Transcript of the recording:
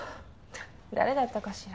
誰だったかしら。